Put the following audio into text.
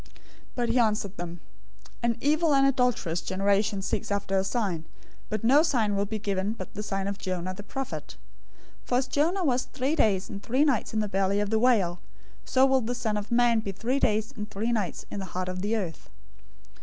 012:039 But he answered them, "An evil and adulterous generation seeks after a sign, but no sign will be given it but the sign of Jonah the prophet. 012:040 For as Jonah was three days and three nights in the belly of the whale, so will the Son of Man be three days and three nights in the heart of the earth.